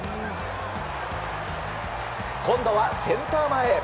今度はセンター前へ。